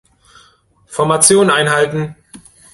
Formation einhalten!